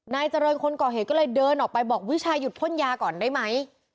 นายเจริญคนก่อเหตุก็เลยเดินออกไปบอกวิชาหยุดพ่นยาก่อนได้ไหม